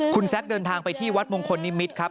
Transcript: คุณแซคเดินทางไปที่วัดมงคลนิมิตรครับ